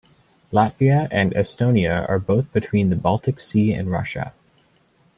Latvia and Estonia are both between the Baltic Sea and Russia.